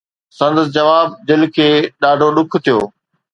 سندس جواب دل کي ڏاڍو ڏک ٿيو.